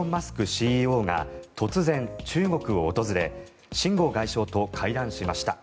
ＣＥＯが突然、中国を訪れ秦剛外相と会談しました。